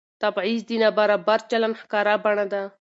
تبعیض د نابرابر چلند ښکاره بڼه ده